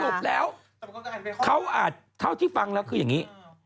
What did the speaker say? สรุปแล้วเขาอาจเท่าที่ฟังแล้วคืออย่างนี้